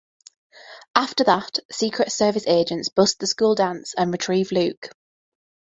After that, Secret Service agents bust the school dance and retrieve Luke.